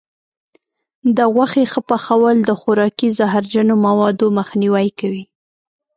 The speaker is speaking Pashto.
د غوښې ښه پخول د خوراکي زهرجنو موادو مخنیوی کوي.